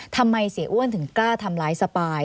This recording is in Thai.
ทำไมเสียอ้วนถึงกล้าทำร้ายสปาย